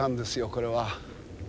これは。